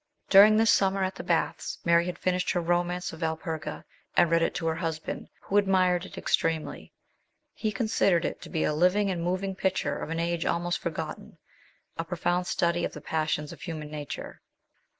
During this summer at the baths Mary had finished her romance of Valperga, and read it to her hus band, who admired it extremely. He considered it to be a " living and moving picture of an age almost forgotten, a profound study of the passions of human nature."